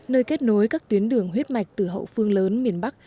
nơi kết nối các tuyến đường huyết mạch từ hậu phương lớn miền bắc